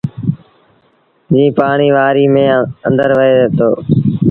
جيٚن پآڻيٚ وآريٚ ميݩ آݩدر وهي دو۔